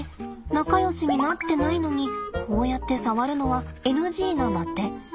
仲よしになってないのにこうやって触るのはＮＧなんだって。